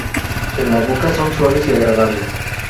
En la boca son suaves y agradables.